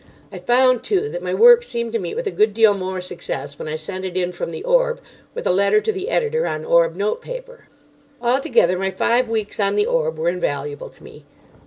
I found, too, that my work seemed to meet with a good deal more success when I sent it in from the Orb, with a letter to the editor on Orb notepaper. Altogether, my five weeks on the Orb were invaluable to me.